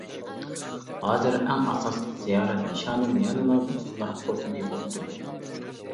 ھازىر ئەڭ ئاساسلىق زىيارەت نىشانىم يەنىلا دوستلار قوتىنى بوپتۇ.